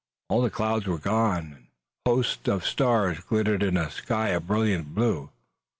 All the clouds were gone and hosts of stars glittered in a sky of brilliant blue.